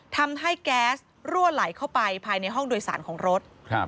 ทำให้แก๊สรั่วไหลเข้าไปภายในห้องโดยสารของรถ